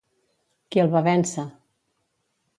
Qui el va vèncer?